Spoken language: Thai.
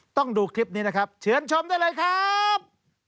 ต้องดูคลิปนี้นะครับเชิญชมได้เลยครับ